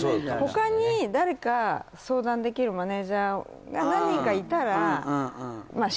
他に誰か相談できるマネージャーが何人かいたらうんうんうん